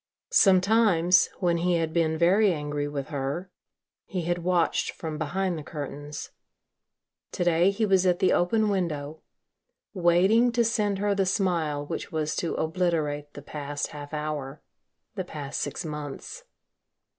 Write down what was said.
Sometimes, when he had been very angry with her he had watched from behind the curtains. To day, he was at the open window, waiting to send her the smile which was to obliterate the past half hour, the past six months.